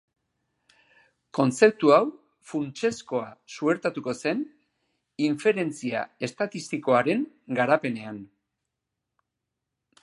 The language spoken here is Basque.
Kontzeptu hau funtsezkoa suertatuko zen inferentzia estatistikoaren garapenean.